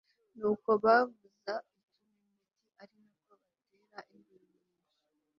nuko bavuza uturumbeti, ari na ko batera induru nyinshi